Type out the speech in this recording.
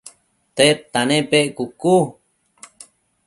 tedta nepec?cucu